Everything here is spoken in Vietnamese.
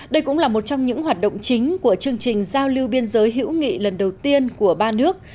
đây cũng là một trong những hoạt động chính của chương trình giao lưu biên giới hữu nghị lần đầu tiên của ba nước